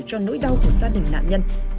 cho nỗi đau của gia đình nạn nhân